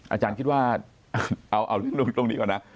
อาจารย์คิดว่าเอาเรื่องตรงนี้ก่อนนะ